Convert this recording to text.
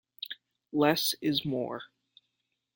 Less is more.